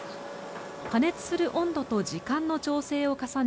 加熱する温度と時間の調整を重ね